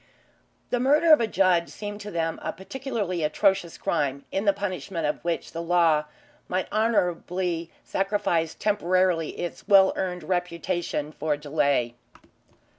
The murder of a judge seemed to them a particularly atrocious crime, in the punishment of which the law might honourably sacrifice temporarily its well earned reputation for delay.